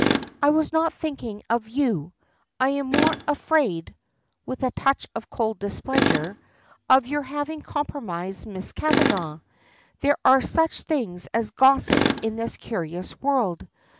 "I was not thinking of you. I am more afraid," with a touch of cold displeasure, "of your having compromised Miss Kavanagh. There are such things as gossips in this curious world.